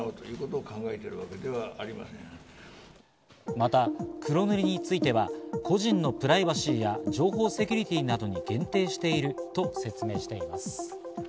また黒塗りについては、個人のプライバシーや情報セキュリティーなどに限定していると説明しています。